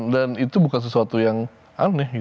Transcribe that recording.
dan itu bukan sesuatu yang aneh